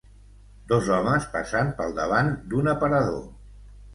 Dos homes passant pel davant d'un aparador.